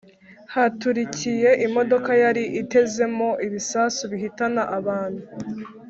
haturikiye imodoka yari itezemo ibisasu bihitana abantu